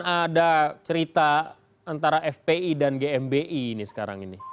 ada cerita antara fpi dan gmbi ini sekarang ini